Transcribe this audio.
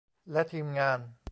และทีมงาน